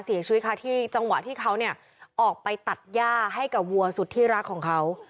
เสียชีวิตค่ะที่จังหวะที่เขาเนี่ยออกไปตัดย่าให้กับวัวสุดที่รักของเขา